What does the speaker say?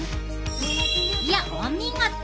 いやお見事！